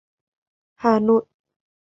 Hà Nội